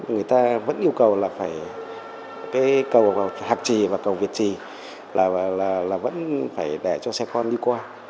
người ta vẫn yêu cầu là phải cái cầu hạc trì và cầu việt trì là vẫn phải để cho xe con đi qua